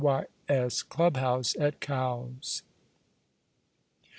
Y. S. Club bouse at Cowes.